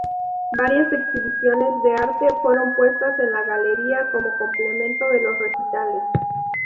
Varias exhibiciones de arte fueron puestas en la Galería como complemento de los recitales.